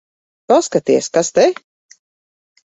Paskaties, kas te...